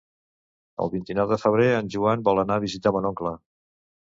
El vint-i-nou de febrer en Joan vol anar a visitar mon oncle.